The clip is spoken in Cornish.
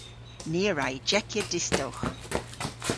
Ni a wra y jeckya distowgh.